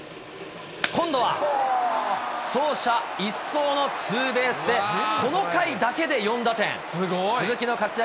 今度は走者一掃のツーベースで、この回だけで４打点。